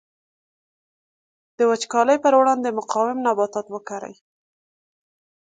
د وچکالۍ پر وړاندې مقاوم نباتات وکري.